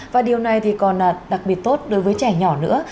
và điều này thì còn đặc biệt tốt đối với trẻ nhỏ nữa